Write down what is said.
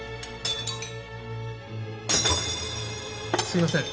すいません。